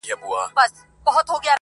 ما ډېر وویل زړه ته چې نور نه یادوي تا